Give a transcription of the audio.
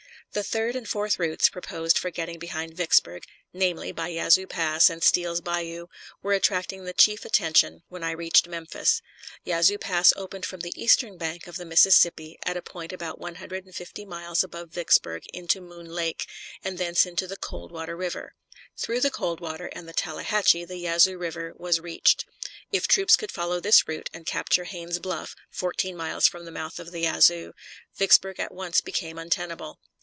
The third and fourth routes proposed for getting behind Vicksburg namely, by Yazoo Pass and Steele's Bayou were attracting the chief attention when I reached Memphis. Yazoo Pass opened from the eastern bank of the Mississippi at a point about one hundred and fifty miles above Vicksburg into Moon Lake, and thence into the Coldwater River. Through the Coldwater and the Tallahatchie the Yazoo River was reached. If troops could follow this route and capture Haynes's Bluff, fourteen miles from the mouth of the Yazoo, Vicksburg at once became untenable.